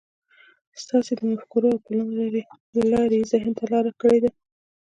ستاسې د مفکورو او پلان له لارې يې ذهن ته لاره کړې ده.